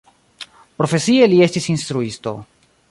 Profesie li estis instruisto.